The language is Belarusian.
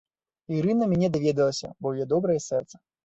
Ірына мяне даведалася, бо ў яе добрае сэрца.